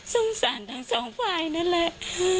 สงสารทั้งสองฝ่ายนั่นแหละ